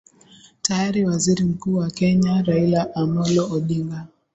tayari waziri mkuu wa kenya raila amollo odinga